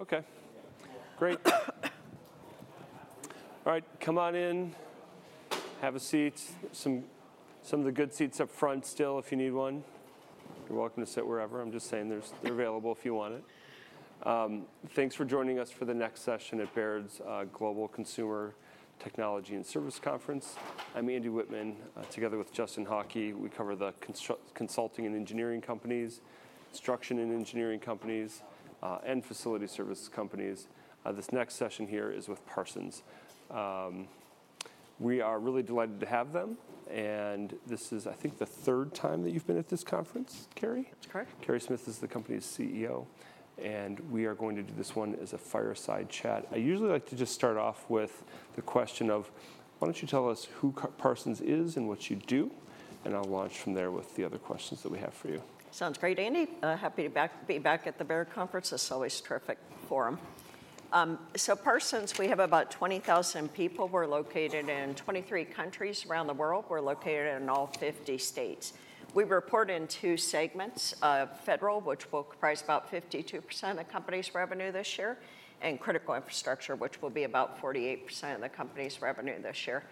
Okay. Great. All right. Come on in. Have a seat. Some of the good seats up front still, if you need one. You're welcome to sit wherever. I'm just saying they're available if you want it. Thanks for joining us for the next session at Baird's Global Consumer Technology and Service Conference. I'm Andrew Wittmann. Together with Justin Hauke, we cover the consulting and engineering companies, construction and engineering companies, and facility service companies. This next session here is with Parsons. We are really delighted to have them. This is, I think, the third time that you've been at this conference, Carey? That's correct. Carey Smith is the company's CEO. We are going to do this one as a fireside chat. I usually like to just start off with the question of, why do you not tell us who Parsons is and what you do? I will launch from there with the other questions that we have for you. Sounds great, Andrew. Happy to be back at the Baird conference. It's always a terrific forum. So Parsons, we have about 20,000 people. We're located in 23 countries around the world. We're located in all 50 states. We report in two segments: federal, which will comprise about 52% of the company's revenue this year, and critical infrastructure, which will be about 48% of the company's revenue this year.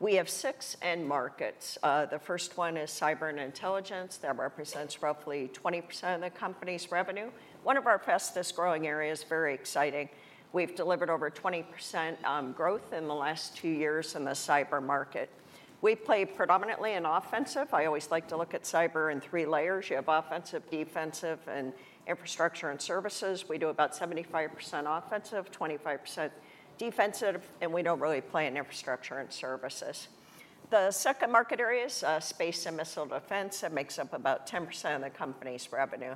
We have six end markets. The first one is cyber and intelligence that represents roughly 20% of the company's revenue. One of our fastest growing areas is very exciting. We've delivered over 20% growth in the last two years in the cyber market. We play predominantly in offensive. I always like to look at cyber in three layers. You have offensive, defensive, and infrastructure and services. We do about 75% offensive, 25% defensive, and we don't really play in infrastructure and services. The second market area is space and missile defense. That makes up about 10% of the company's revenue.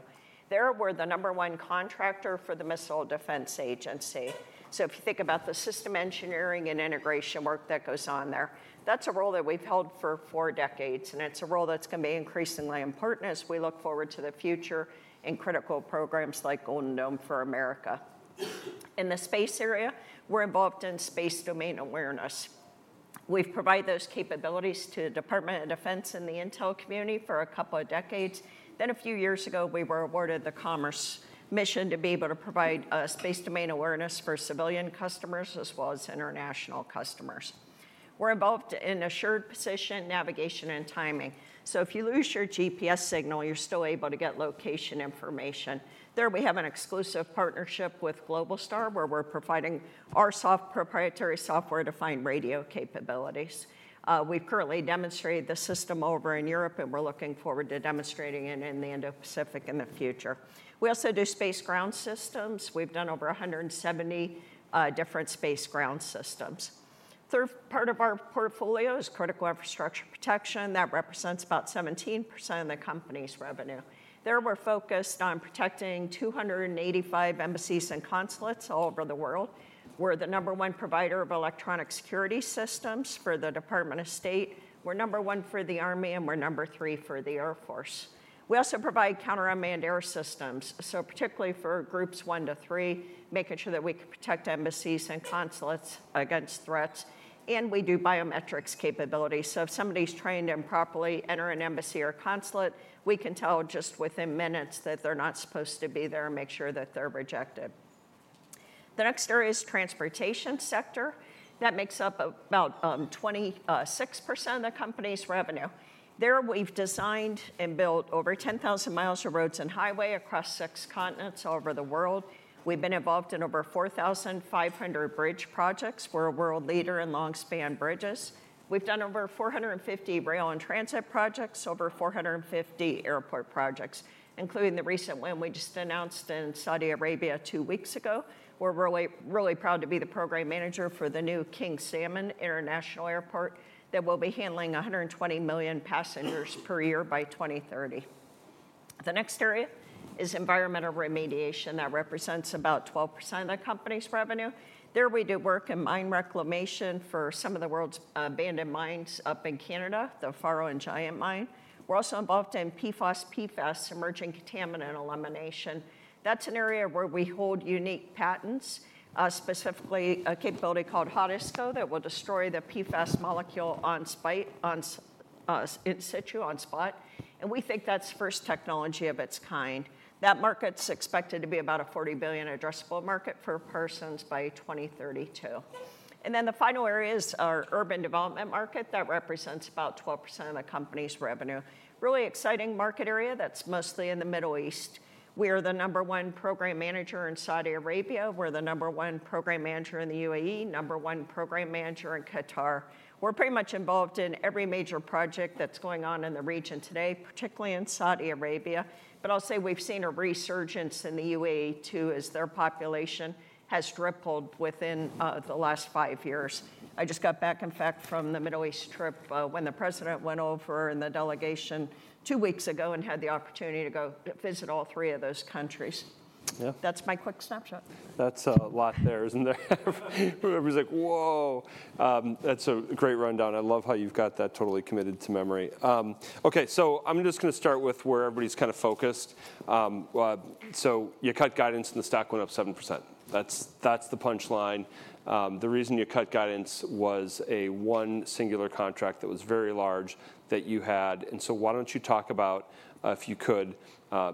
There we're the number one contractor for the Missile Defense Agency. If you think about the system engineering and integration work that goes on there, that's a role that we've held for four decades. It's a role that's going to be increasingly important as we look forward to the future and critical programs like Golden Dome for America. In the space area, we're involved in space domain awareness. We've provided those capabilities to the Department of Defense and the intel community for a couple of decades. A few years ago, we were awarded the Commerce mission to be able to provide space domain awareness for civilian customers as well as international customers. We're involved in assured position, navigation, and timing. If you lose your GPS signal, you're still able to get location information. There we have an exclusive partnership with Globalstar, where we're providing our proprietary software-defined radio capabilities. We've currently demonstrated the system over in Europe, and we're looking forward to demonstrating it in the Indo-Pacific in the future. We also do space ground systems. We've done over 170 different space ground systems. Third part of our portfolio is critical infrastructure protection. That represents about 17% of the company's revenue. There we're focused on protecting 285 embassies and consulates all over the world. We're the number one provider of electronic security systems for the Department of State. We're number one for the Army, and we're number three for the Air Force. We also provide counter unmanned air systems, so particularly for groups one to three, making sure that we can protect embassies and consulates against threats. We do biometrics capabilities. If somebody's trying to improperly enter an embassy or consulate, we can tell just within minutes that they're not supposed to be there and make sure that they're rejected. The next area is the transportation sector. That makes up about 26% of the company's revenue. There we've designed and built over 10,000 mi of roads and highway across six continents all over the world. We've been involved in over 4,500 bridge projects. We're a world leader in long-span bridges. We've done over 450 rail and transit projects, over 450 airport projects, including the recent one we just announced in Saudi Arabia two weeks ago. We're really proud to be the program manager for the new King Salmon International Airport that will be handling 120 million passengers per year by 2030. The next area is environmental remediation. That represents about 12% of the company's revenue. There we do work in mine reclamation for some of the world's abandoned mines up in Canada, the Faro and Giant Mine. We're also involved in PFAS, PFAS, emerging contaminant elimination. That's an area where we hold unique patents, specifically a capability called Hotisco that will destroy the PFAS molecule in situ, on spot. We think that's first technology of its kind. That market's expected to be about a $40 billion addressable market for Parsons by 2032. The final area is our urban development market. That represents about 12% of the company's revenue. Really exciting market area that's mostly in the Middle East. We are the number one program manager in Saudi Arabia. We're the number one program manager in the United Arab Emirates, number one program manager in Qatar. We're pretty much involved in every major project that's going on in the region today, particularly in Saudi Arabia. I'll say we've seen a resurgence in the UAE too, as their population has tripled within the last five years. I just got back, in fact, from the Middle East trip when the President went over in the delegation two weeks ago and had the opportunity to go visit all three of those countries. Yeah. That's my quick snapshot. That's a lot there, isn't there? Everybody's like, "Whoa." That's a great rundown. I love how you've got that totally committed to memory. Okay. I'm just going to start with where everybody's kind of focused. You cut guidance, and the stock went up 7%. That's the punchline. The reason you cut guidance was a one singular contract that was very large that you had. Why don't you talk about, if you could,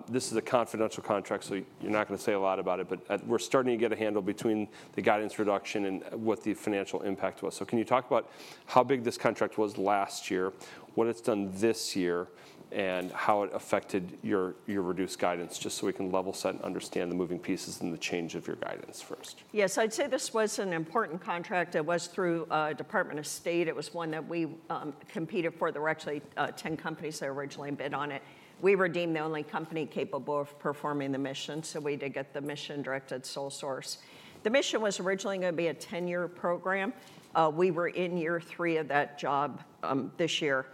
this is a confidential contract, so you're not going to say a lot about it, but we're starting to get a handle between the guidance reduction and what the financial impact was. Can you talk about how big this contract was last year, what it's done this year, and how it affected your reduced guidance, just so we can level set and understand the moving pieces and the change of your guidance first? Yes. I'd say this was an important contract. It was through the Department of State. It was one that we competed for. There were actually 10 companies that originally bid on it. We were deemed the only company capable of performing the mission, so we did get the mission directed sole source. The mission was originally going to be a 10-year program. We were in year three of that job this year.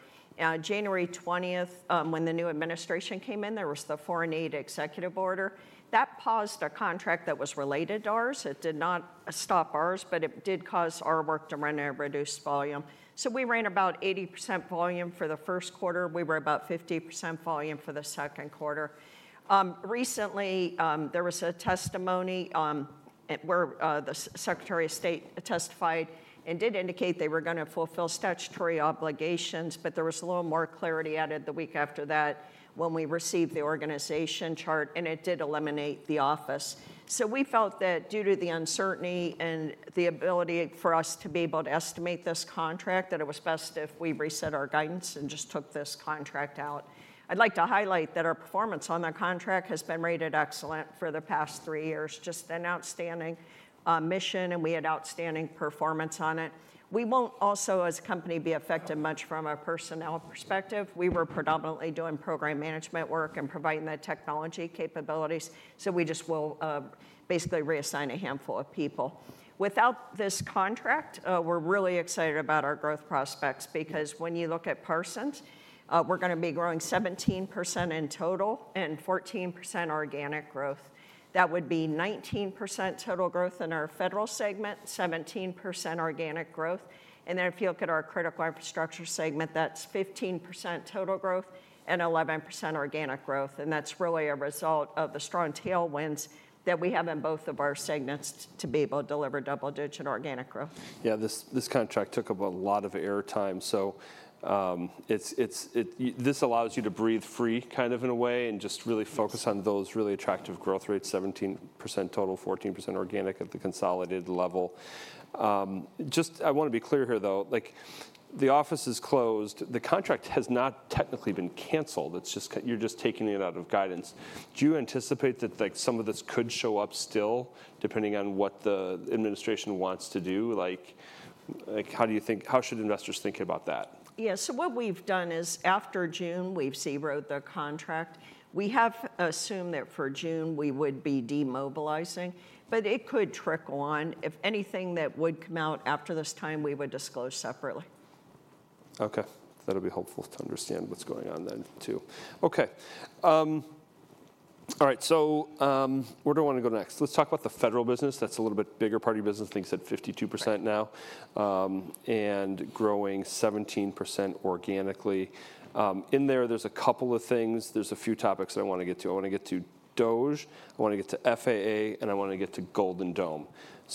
January 20th, when the new administration came in, there was the Foreign Aid Executive Order. That paused a contract that was related to ours. It did not stop ours, but it did cause our work to run at a reduced volume. We ran about 80% volume for the first quarter. We were about 50% volume for the second quarter. Recently, there was a testimony where the Secretary of State testified and did indicate they were going to fulfill statutory obligations, but there was a little more clarity added the week after that when we received the organization chart, and it did eliminate the office. We felt that due to the uncertainty and the ability for us to be able to estimate this contract, that it was best if we reset our guidance and just took this contract out. I'd like to highlight that our performance on the contract has been rated excellent for the past three years, just an outstanding mission, and we had outstanding performance on it. We will not also, as a company, be affected much from a personnel perspective. We were predominantly doing program management work and providing the technology capabilities, so we just will basically reassign a handful of people. Without this contract, we're really excited about our growth prospects because when you look at Parsons, we're going to be growing 17% in total and 14% organic growth. That would be 19% total growth in our federal segment, 17% organic growth. If you look at our critical infrastructure segment, that's 15% total growth and 11% organic growth. That's really a result of the strong tailwinds that we have in both of our segments to be able to deliver double-digit organic growth. Yeah. This contract took up a lot of airtime. This allows you to breathe free kind of in a way and just really focus on those really attractive growth rates: 17% total, 14% organic at the consolidated level. I just want to be clear here, though. The office is closed. The contract has not technically been canceled. You're just taking it out of guidance. Do you anticipate that some of this could show up still, depending on what the administration wants to do? How do you think, how should investors think about that? Yeah. So what we've done is after June, we've zeroed the contract. We have assumed that for June, we would be demobilizing, but it could trickle on. If anything that would come out after this time, we would disclose separately. Okay. That'll be helpful to understand what's going on then too. Okay. All right. So where do I want to go next? Let's talk about the federal business. That's a little bit bigger part of your business. I think it's at 52% now and growing 17% organically. In there, there's a couple of things. There's a few topics that I want to get to. I want to get to DOGE. I want to get to FAA, and I want to get to Golden Dome.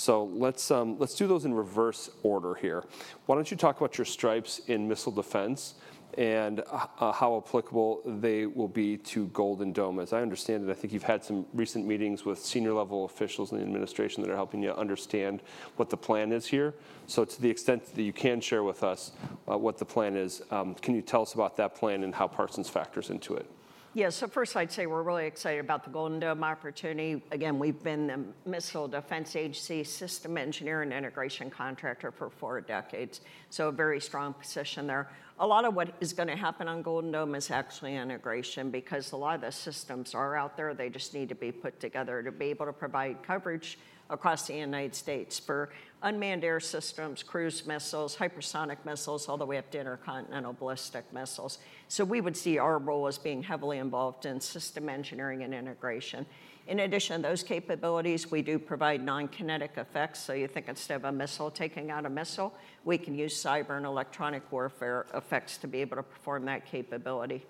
Let's do those in reverse order here. Why don't you talk about your stripes in missile defense and how applicable they will be to Golden Dome. As I understand it, I think you've had some recent meetings with senior-level officials in the administration that are helping you understand what the plan is here. To the extent that you can share with us what the plan is, can you tell us about that plan and how Parsons factors into it? Yeah. First, I'd say we're really excited about the Golden Dome opportunity. Again, we've been the Missile Defense Agency system engineering integration contractor for four decades, so a very strong position there. A lot of what is going to happen on Golden Dome is actually integration because a lot of the systems are out there. They just need to be put together to be able to provide coverage across the United States for unmanned air systems, cruise missiles, hypersonic missiles, all the way up to intercontinental ballistic missiles. We would see our role as being heavily involved in system engineering and integration. In addition to those capabilities, we do provide non-kinetic effects. You think instead of a missile taking out a missile, we can use cyber and electronic warfare effects to be able to perform that capability.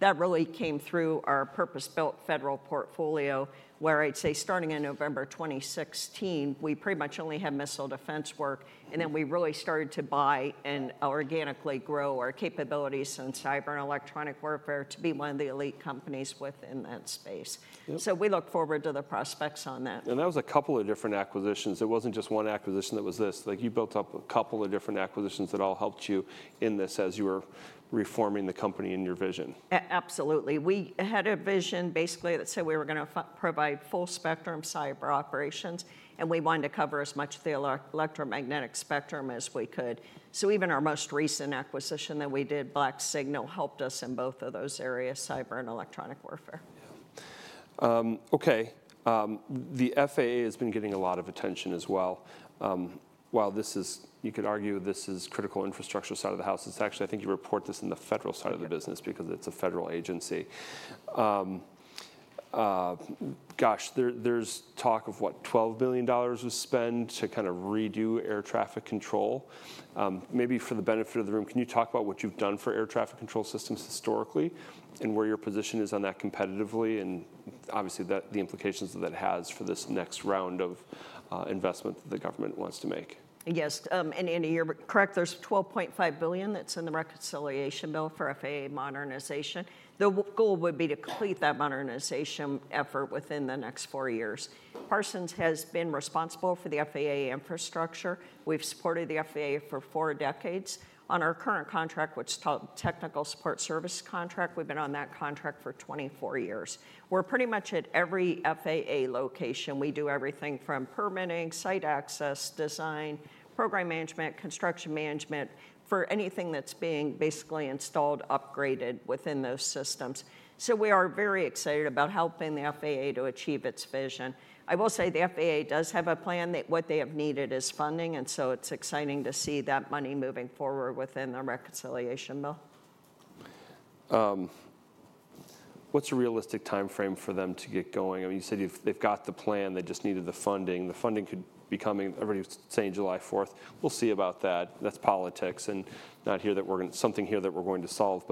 That really came through our purpose-built federal portfolio where, I'd say starting in November 2016, we pretty much only had missile defense work. Then we really started to buy and organically grow our capabilities in cyber and electronic warfare to be one of the elite companies within that space. We look forward to the prospects on that. That was a couple of different acquisitions. It was not just one acquisition that was this. You built up a couple of different acquisitions that all helped you in this as you were reforming the company and your vision. Absolutely. We had a vision basically that said we were going to provide full-spectrum cyber operations, and we wanted to cover as much of the electromagnetic spectrum as we could. So even our most recent acquisition that we did, Black Signal, helped us in both of those areas, cyber and electronic warfare. Yeah. Okay. The FAA has been getting a lot of attention as well. While this is, you could argue this is critical infrastructure side of the house, it's actually, I think you report this in the federal side of the business because it's a federal agency. Gosh, there's talk of what, $12 billion was spent to kind of redo air traffic control. Maybe for the benefit of the room, can you talk about what you've done for air traffic control systems historically and where your position is on that competitively and obviously the implications that it has for this next round of investment that the government wants to make? Yes. In a year, correct, there's $12.5 billion that's in the reconciliation bill for FAA modernization. The goal would be to complete that modernization effort within the next four years. Parsons has been responsible for the FAA infrastructure. We've supported the FAA for four decades. On our current contract, which is called Technical Support Services contract, we've been on that contract for 24 years. We're pretty much at every FAA location. We do everything from permitting, site access, design, program management, construction management for anything that's being basically installed, upgraded within those systems. We are very excited about helping the FAA to achieve its vision. I will say the FAA does have a plan that what they have needed is funding, and it is exciting to see that money moving forward within the reconciliation bill. What's a realistic timeframe for them to get going? I mean, you said they've got the plan. They just needed the funding. The funding could be coming. Everybody was saying July 4th. We'll see about that. That's politics and not here that we're going to solve.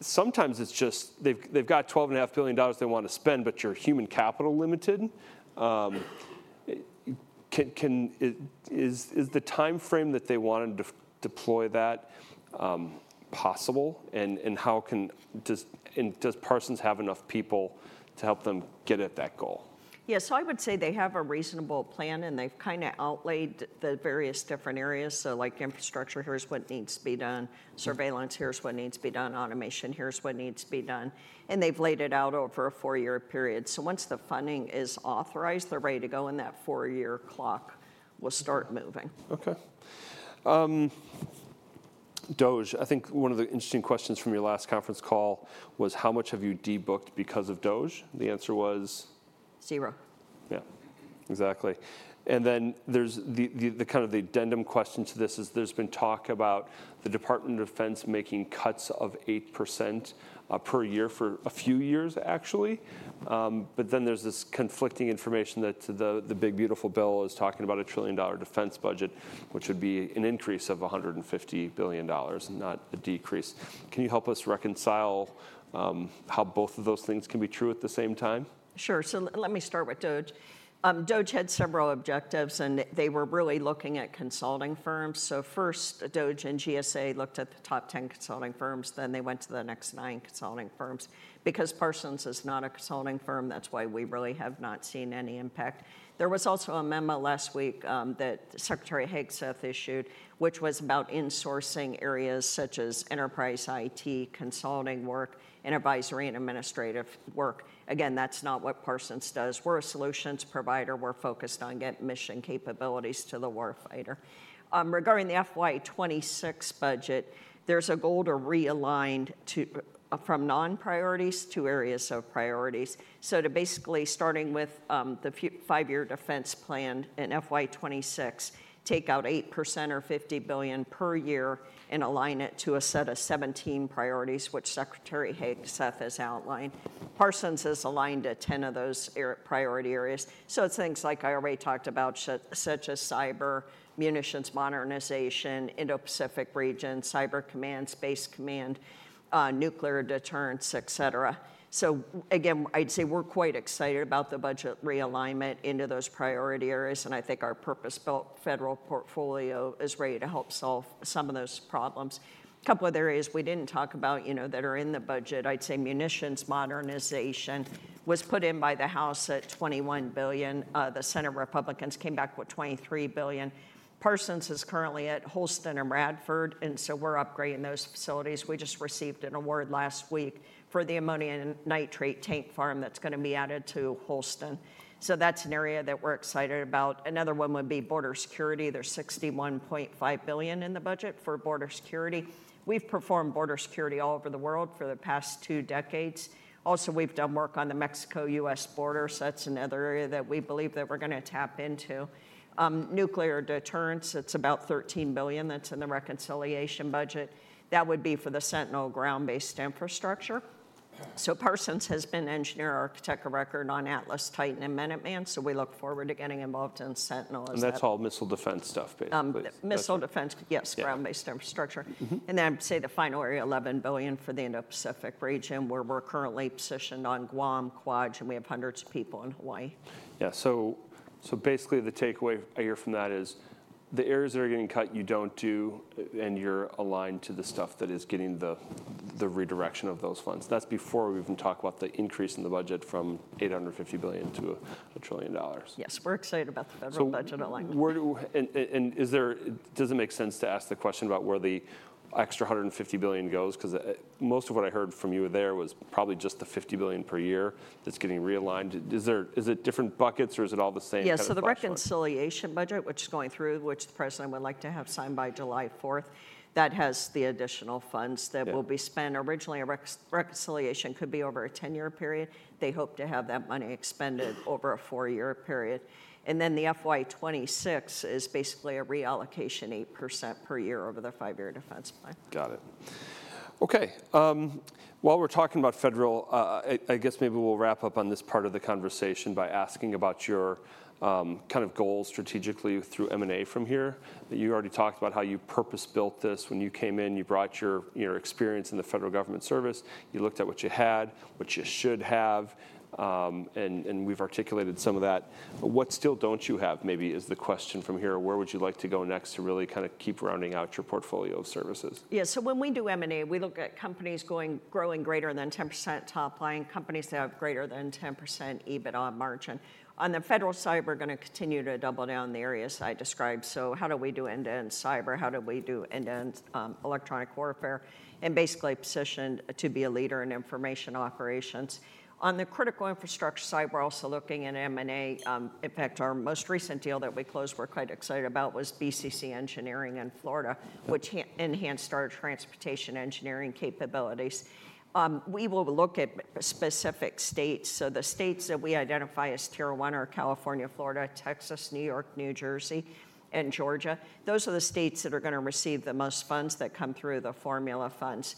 Sometimes it's just they've got $12.5 billion they want to spend, but you're human capital limited. Is the timeframe that they wanted to deploy that possible? Does Parsons have enough people to help them get at that goal? Yeah. I would say they have a reasonable plan, and they've kind of outlaid the various different areas. Like infrastructure, here's what needs to be done. Surveillance, here's what needs to be done. Automation, here's what needs to be done. They've laid it out over a four-year period. Once the funding is authorized, they're ready to go, and that four-year clock will start moving. Okay. DOGE, I think one of the interesting questions from your last conference call was, how much have you debooked because of DOGE? The answer was. Zero. Yeah. Exactly. There is the kind of the addendum question to this. There has been talk about the Department of Defense making cuts of 8% per year for a few years, actually. There is this conflicting information that the big, beautiful bill is talking about $1 trillion defense budget, which would be an increase of $150 billion and not a decrease. Can you help us reconcile how both of those things can be true at the same time? Sure. Let me start with DOGE. DOGE had several objectives, and they were really looking at consulting firms. First, DOGE and GSA looked at the top 10 consulting firms. Then they went to the next nine consulting firms. Because Parsons is not a consulting firm, that's why we really have not seen any impact. There was also a memo last week that Secretary Hegseth issued, which was about insourcing areas such as enterprise IT consulting work and advisory and administrative work. Again, that's not what Parsons does. We're a solutions provider. We're focused on getting mission capabilities to the warfighter. Regarding the FY26 budget, there's a goal to realign from non-priorities to areas of priorities. To basically, starting with the five-year defense plan in FY26, take out 8% or $50 billion per year and align it to a set of 17 priorities, which Secretary Hegseth has outlined. Parsons has aligned to 10 of those priority areas. It is things like I already talked about, such as cyber, munitions modernization, Indo-Pacific region, cyber command, space command, nuclear deterrence, et cetera. Again, I'd say we're quite excited about the budget realignment into those priority areas, and I think our purpose-built federal portfolio is ready to help solve some of those problems. A couple of areas we did not talk about that are in the budget, I'd say munitions modernization was put in by the House at $21 billion. The Senate Republicans came back with $23 billion. Parsons is currently at Holston and Bradford, and we are upgrading those facilities. We just received an award last week for the ammonium nitrate tank farm that is going to be added to Holston. That is an area that we're excited about. Another one would be border security. There's $61.5 billion in the budget for border security. We've performed border security all over the world for the past two decades. Also, we've done work on the Mexico-US border. That's another area that we believe that we're going to tap into. Nuclear deterrence, it's about $13 billion that's in the reconciliation budget. That would be for the Sentinel ground-based infrastructure. Parsons has been engineer, architect, and record on Atlas, Titan, and Minuteman. We look forward to getting involved in Sentinel as well. That's all missile defense stuff, basically. Missile defense, yes, ground-based infrastructure. I'd say the final area, $11 billion for the Indo-Pacific region, where we're currently positioned on Guam, Kwaj, and we have hundreds of people in Hawaii. Yeah. So basically, the takeaway I hear from that is the areas that are getting cut, you don't do, and you're aligned to the stuff that is getting the redirection of those funds. That's before we even talk about the increase in the budget from $850 billion to $1 trillion. Yes. We're excited about the federal budget alignment. Does it make sense to ask the question about where the extra $150 billion goes? Because most of what I heard from you there was probably just the $50 billion per year that's getting realigned. Is it different buckets, or is it all the same? Yeah. So the reconciliation budget, which is going through, which the President would like to have signed by July 4th, that has the additional funds that will be spent. Originally, reconciliation could be over a 10-year period. They hope to have that money expended over a four-year period. The FY26 is basically a reallocation, 8% per year over the five-year defense plan. Got it. Okay. While we're talking about federal, I guess maybe we'll wrap up on this part of the conversation by asking about your kind of goals strategically through M&A from here. You already talked about how you purpose-built this when you came in. You brought your experience in the federal government service. You looked at what you had, what you should have, and we've articulated some of that. What still don't you have maybe is the question from here. Where would you like to go next to really kind of keep rounding out your portfolio of services? Yeah. When we do M&A, we look at companies growing greater than 10% top line, companies that have greater than 10% EBITDA margin. On the federal side, we're going to continue to double down on the areas I described. How do we do end-to-end cyber? How do we do end-to-end electronic warfare? Basically positioned to be a leader in information operations. On the critical infrastructure side, we're also looking in M&A. In fact, our most recent deal that we closed, we're quite excited about, was BCC Engineering in Florida, which enhanced our transportation engineering capabilities. We will look at specific states. The states that we identify as Tier one are California, Florida, Texas, New York, New Jersey, and Georgia. Those are the states that are going to receive the most funds that come through the formula funds.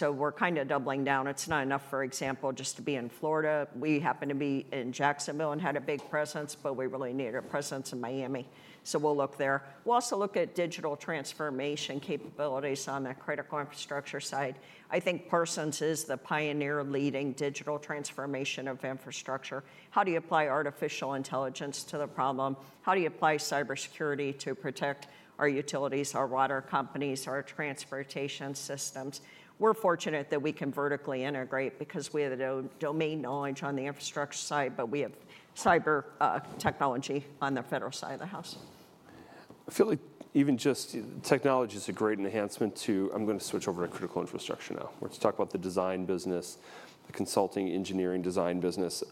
We're kind of doubling down. It's not enough, for example, just to be in Florida. We happen to be in Jacksonville and had a big presence, but we really need a presence in Miami. We'll look there. We'll also look at digital transformation capabilities on the critical infrastructure side. I think Parsons is the pioneer leading digital transformation of infrastructure. How do you apply artificial intelligence to the problem? How do you apply cybersecurity to protect our utilities, our water companies, our transportation systems? We're fortunate that we can vertically integrate because we have domain knowledge on the infrastructure side, but we have cyber technology on the federal side of the house. I feel like even just technology is a great enhancement to, I'm going to switch over to critical infrastructure now. We're to talk about the design business, the consulting, engineering, design business.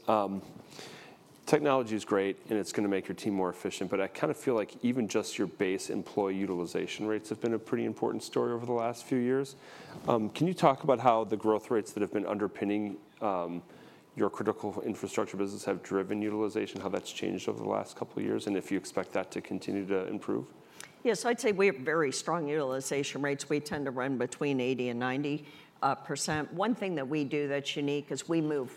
Technology is great, and it's going to make your team more efficient. But I kind of feel like even just your base employee utilization rates have been a pretty important story over the last few years. Can you talk about how the growth rates that have been underpinning your critical infrastructure business have driven utilization, how that's changed over the last couple of years, and if you expect that to continue to improve? Yes. I'd say we have very strong utilization rates. We tend to run between 80% and 90%. One thing that we do that's unique is we move,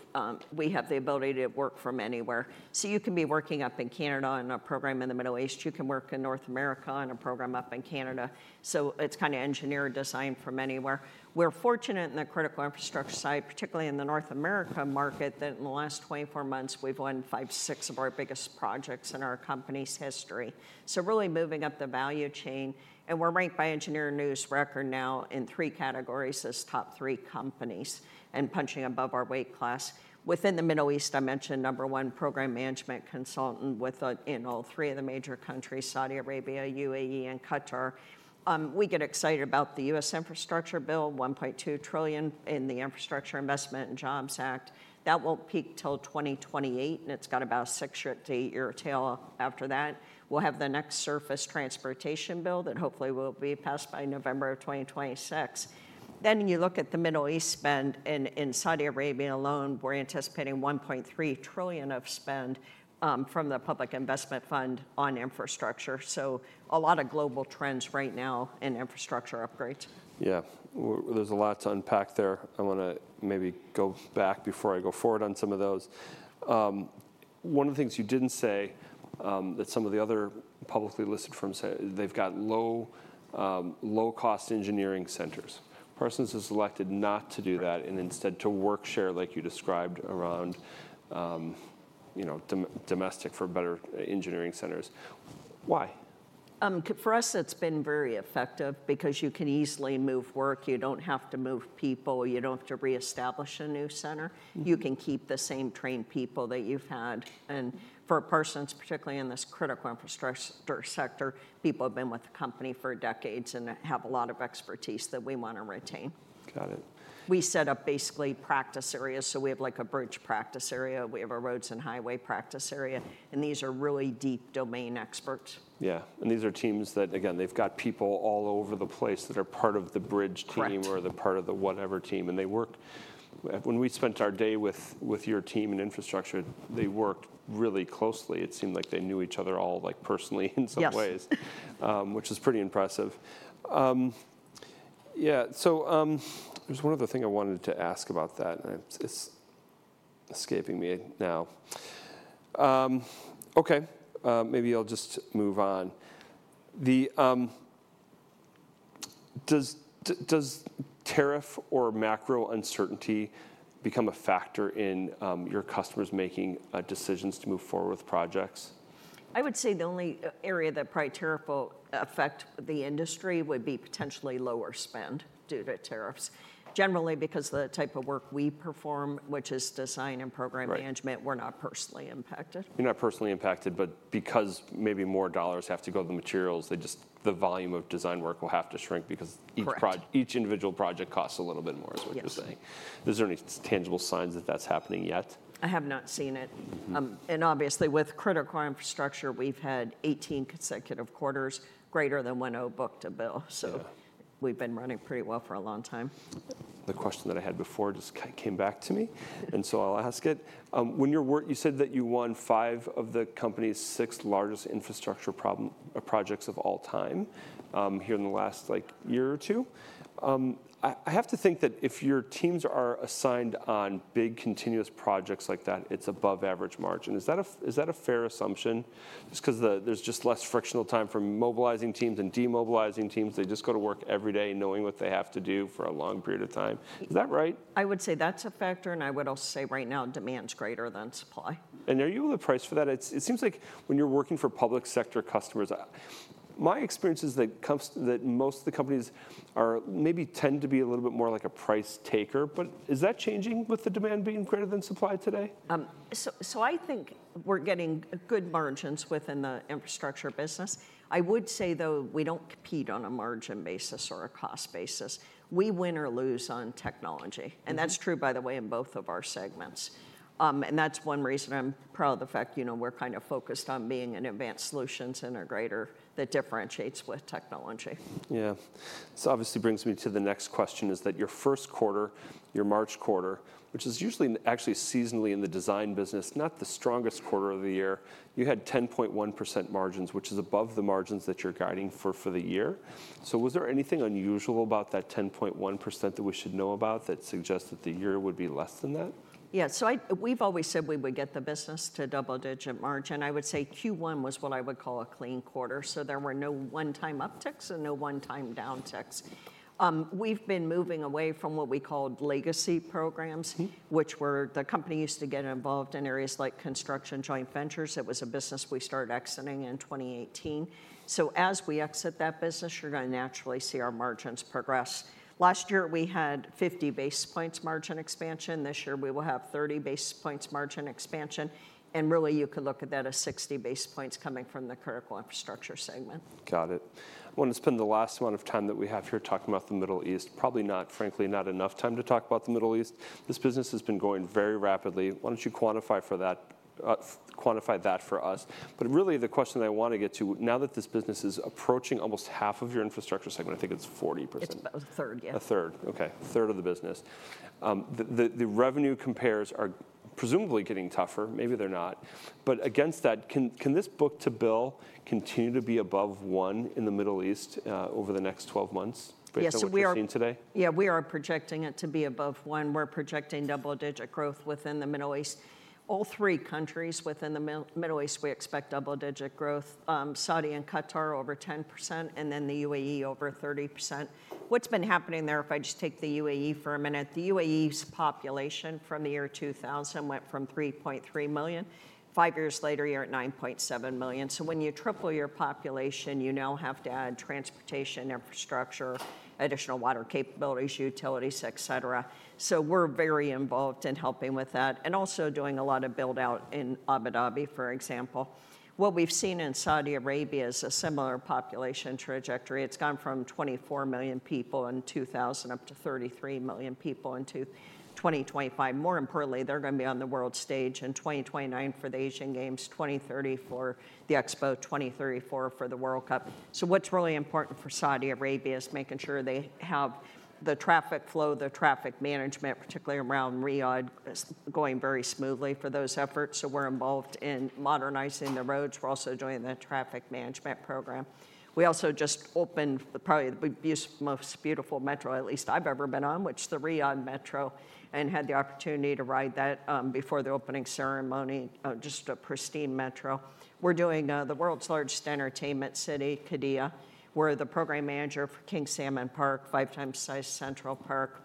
we have the ability to work from anywhere. So you can be working up in Canada in a program in the Middle East. You can work in North America on a program up in Canada. So it's kind of engineer design from anywhere. We're fortunate in the critical infrastructure side, particularly in the North America market, that in the last 24 months, we've won five, six of our biggest projects in our company's history. So really moving up the value chain. And we're ranked by Engineering News-Record now in three categories as top three companies and punching above our weight class. Within the Middle East, I mentioned number one program management consultant in all three of the major countries, Saudi Arabia, United Arab Emirates, and Qatar. We get excited about the US infrastructure bill, $1.2 trillion in the Infrastructure Investment and Jobs Act. That will not peak till 2028, and it has got about a six-year to eight-year tail after that. We will have the next surface transportation bill that hopefully will be passed by November of 2026. You look at the Middle East spend. In Saudi Arabia alone, we are anticipating $1.3 trillion of spend from the Public Investment Fund on infrastructure. A lot of global trends right now in infrastructure upgrades. Yeah. There's a lot to unpack there. I want to maybe go back before I go forward on some of those. One of the things you didn't say that some of the other publicly listed firms say, they've got low-cost engineering centers. Parsons has elected not to do that and instead to work share like you described around domestic for better engineering centers. Why? For us, it's been very effective because you can easily move work. You don't have to move people. You don't have to reestablish a new center. You can keep the same trained people that you've had. For Parsons, particularly in this critical infrastructure sector, people have been with the company for decades and have a lot of expertise that we want to retain. Got it. We set up basically practice areas. We have like a bridge practice area. We have a roads and highway practice area. These are really deep domain experts. Yeah. These are teams that, again, they've got people all over the place that are part of the bridge team or the part of the whatever team. They work when we spent our day with your team in infrastructure. They worked really closely. It seemed like they knew each other all personally in some ways, which is pretty impressive. Yeah. There's one other thing I wanted to ask about that. It's escaping me now. Okay. Maybe I'll just move on. Does tariff or macro uncertainty become a factor in your customers making decisions to move forward with projects? I would say the only area that probably tariff will affect the industry would be potentially lower spend due to tariffs. Generally, because of the type of work we perform, which is design and program management, we're not personally impacted. You're not personally impacted, but because maybe more dollars have to go to the materials, the volume of design work will have to shrink because each individual project costs a little bit more, is what you're saying. Yes. Is there any tangible signs that that's happening yet? I have not seen it. Obviously, with critical infrastructure, we've had 18 consecutive quarters greater than when I booked a bill. We've been running pretty well for a long time. The question that I had before just came back to me, and so I'll ask it. You said that you won five of the company's six largest infrastructure projects of all time here in the last year or two. I have to think that if your teams are assigned on big continuous projects like that, it's above average margin. Is that a fair assumption? Just because there's just less frictional time for mobilizing teams and demobilizing teams. They just go to work every day knowing what they have to do for a long period of time. Is that right? I would say that's a factor. I would also say right now, demand's greater than supply. Are you able to price for that? It seems like when you're working for public sector customers, my experience is that most of the companies maybe tend to be a little bit more like a price taker. Is that changing with the demand being greater than supply today? I think we're getting good margins within the infrastructure business. I would say, though, we don't compete on a margin basis or a cost basis. We win or lose on technology. That's true, by the way, in both of our segments. That's one reason I'm proud of the fact we're kind of focused on being an advanced solutions integrator that differentiates with technology. Yeah. This obviously brings me to the next question, is that your first quarter, your March quarter, which is usually actually seasonally in the design business, not the strongest quarter of the year, you had 10.1% margins, which is above the margins that you're guiding for the year. Was there anything unusual about that 10.1% that we should know about that suggests that the year would be less than that? Yeah. So we've always said we would get the business to double-digit margin. I would say Q1 was what I would call a clean quarter. There were no one-time upticks and no one-time downticks. We've been moving away from what we called legacy programs, which were the company used to get involved in areas like construction joint ventures. It was a business we started exiting in 2018. As we exit that business, you're going to naturally see our margins progress. Last year, we had 50 basis points margin expansion. This year, we will have 30 basis points margin expansion. Really, you could look at that as 60 basis points coming from the critical infrastructure segment. Got it. I want to spend the last amount of time that we have here talking about the Middle East, probably not, frankly, not enough time to talk about the Middle East. This business has been going very rapidly. Why do not you quantify that for us? Really, the question that I want to get to, now that this business is approaching almost half of your infrastructure segment, I think it is 40%. It's about a third, yeah. A third. Okay. A third of the business. The revenue compares are presumably getting tougher. Maybe they're not. Against that, can this book to bill continue to be above one in the Middle East over the next 12 months based on what we're seeing today? Yeah. We are projecting it to be above one. We're projecting double-digit growth within the Middle East. All three countries within the Middle East, we expect double-digit growth. Saudi and Qatar over 10%, and then the UAE over 30%. What's been happening there, if I just take the UAE for a minute, the UAE's population from the year 2000 went from 3.3 million. Five years later, you're at 9.7 million. When you triple your population, you now have to add transportation, infrastructure, additional water capabilities, utilities, etc. We're very involved in helping with that and also doing a lot of build-out in Abu Dhabi, for example. What we've seen in Saudi Arabia is a similar population trajectory. It's gone from 24 million people in 2000 up to 33 million people in 2025. More importantly, they're going to be on the world stage in 2029 for the Asian Games, 2030 for the Expo, 2034 for the World Cup. What's really important for Saudi Arabia is making sure they have the traffic flow, the traffic management, particularly around Riyadh, going very smoothly for those efforts. We're involved in modernizing the roads. We're also doing the traffic management program. We also just opened probably the most beautiful metro, at least I've ever been on, which is the Riyadh Metro, and had the opportunity to ride that before the opening ceremony, just a pristine metro. We're doing the world's largest entertainment city, Qiddiya. We're the program manager for King's Salmon Park, five times the size of Central Park.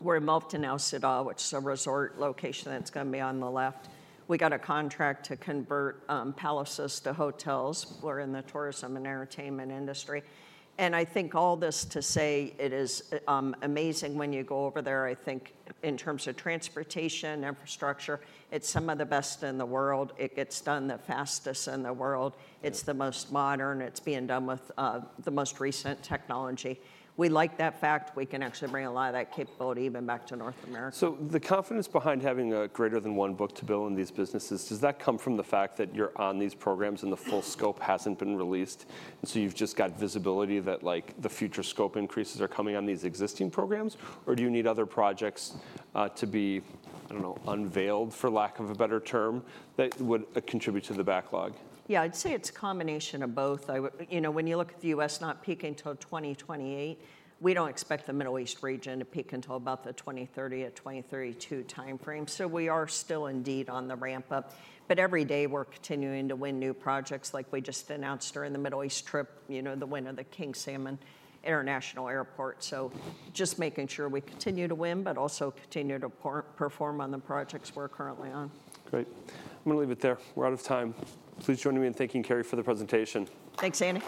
We're involved in Al Sidal, which is a resort location that's going to be on the left. We got a contract to convert palaces to hotels. We're in the tourism and entertainment industry. I think all this to say it is amazing when you go over there, I think, in terms of transportation, infrastructure. It's some of the best in the world. It gets done the fastest in the world. It's the most modern. It's being done with the most recent technology. We like that fact. We can actually bring a lot of that capability even back to North America. The confidence behind having a greater than one book to bill in these businesses, does that come from the fact that you're on these programs and the full scope hasn't been released? Does that mean you've just got visibility that the future scope increases are coming on these existing programs? Or do you need other projects to be, I don't know, unveiled, for lack of a better term, that would contribute to the backlog? Yeah. I'd say it's a combination of both. When you look at the U.S. not peaking until 2028, we don't expect the Middle East region to peak until about the 2030 or 2032 timeframe. We are still indeed on the ramp up. Every day, we're continuing to win new projects, like we just announced during the Middle East trip, the win of the King Salman International Airport. Just making sure we continue to win, but also continue to perform on the projects we're currently on. Great. I'm going to leave it there. We're out of time. Please join me in thanking Carey for the presentation. Thanks, Andrew